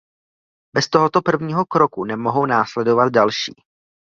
Bez tohoto prvního kroku nemohou následovat další.